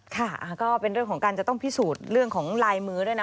ค่ะก็เป็นเรื่องของการจะต้องพิสูจน์เรื่องของลายมือด้วยนะ